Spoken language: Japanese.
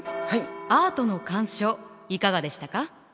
アートの鑑賞いかがでしたか？